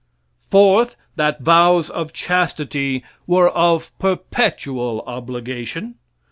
Fourth, that vows of chastity were of perpetual obligation.